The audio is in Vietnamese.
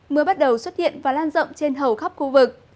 mưa bắt đầu xuất hiện và lan rộng trên hầu khắp khu vực